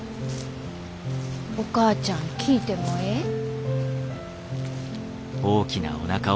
お母ちゃん聞いてもええ？